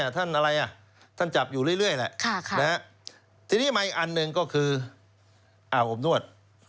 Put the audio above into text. ท่านอะไรท่านจับอยู่เรื่อยแหละทีนี้มาอีกอันหนึ่งก็คืออาบอบนวด